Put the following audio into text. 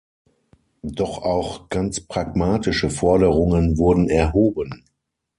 Doch auch ganz pragmatische Forderungen wurden erhoben.